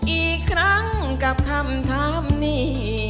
อีกครั้งกับคำถามนี้